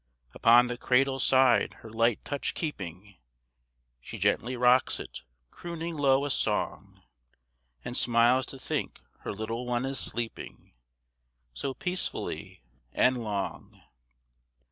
Upon the cradle's side her light touch keeping, She gently rocks it, crooning low a song; And smiles to think her little one is sleeping, So peacefully and long.